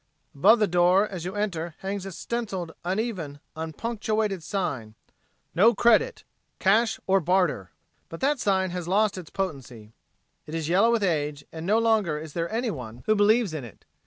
Above the door as you enter hangs a stenciled, uneven, unpunctuated sign, "NO CREDIT CASH OR BARTER." But that sign has lost its potency. It is yellow with age and no longer is there anyone who believes in it.